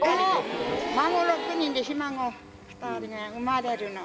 孫６人でひ孫２人目産まれるの。